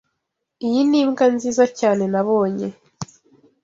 Iyi nimbwa nziza cyane nabonye.